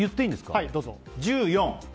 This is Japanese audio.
１４！